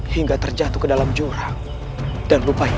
hingga terjatuh ke dalam jurang dan lupa hibatan